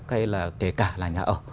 hay là kể cả là nhà ở